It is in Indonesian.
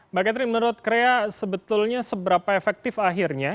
mbak catheri menurut krea sebetulnya seberapa efektif akhirnya